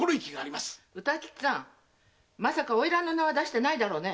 まさか花魁の名は出してないだろうね。